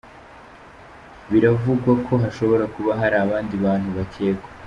Biravugwa ko hashobora kuba hari abandi bantu bakekwa.